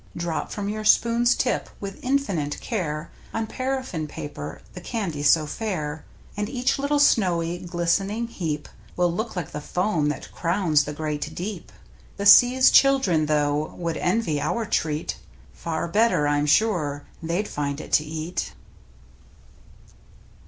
I Drop from your spoon's tip with infinite care, On paraffine paper the candy so fair. And each httle snowy, ghstening heap Will look like the Foam that crowns the great deep. The Sea's children, though, would envy our treat. Far better, I'm sure, they'd find it to eat.